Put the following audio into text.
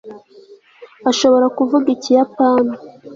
ashobora kuvuga ikiyapani